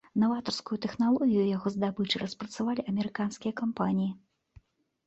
Наватарскую тэхналогію яго здабычы распрацавалі амерыканскія кампаніі.